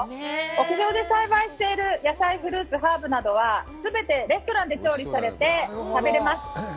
屋上で栽培している野菜、フルーツ、ハーブなどは、全てレストランで調理されて、食べられます。